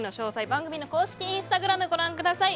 番組の公式インスタグラムご覧ください。